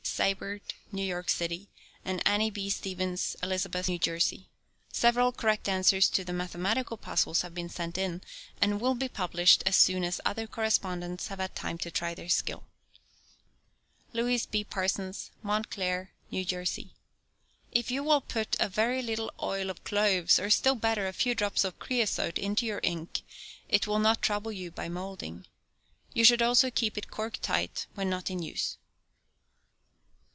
Seibert, New York city, and Annie B. Stephens, Elizabeth, New Jersey. Several correct answers to the mathematical puzzles have been sent in, and will be published as soon as other correspondents have had time to try their skill. LOUIS B. PARSONS, Montclair, New Jersey. If you will put a very little oil of cloves, or still better, a few drops of creosote, into your ink, it will not trouble you by moulding. You should also keep it corked tight when not in use.